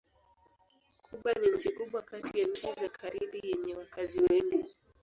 Kuba ni nchi kubwa kati ya nchi za Karibi yenye wakazi wengi.